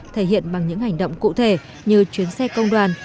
thể hiện bằng những hành động cụ thể như chuyến xe công đoàn